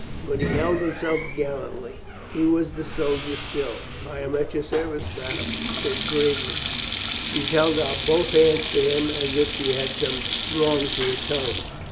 But he held himself gal lantly. He was the soldier still. "I am at your service, madame," he said gravely. She held out both hands to him as if she had some wrong to atone.